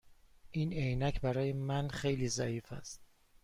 این عینک برای من خیلی ضعیف است.